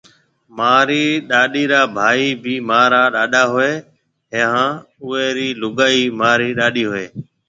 مهاريَ ڏاڏيَ رآ ڀائِي ڀِي مهارا ڏاڏا هوئيَ هيَ هانَ اُئان ريَ لُگائيَ مهاريَ ڏاڏيَ هوئيَ هيَ۔